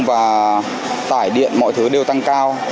và tải điện mọi thứ đều tăng cao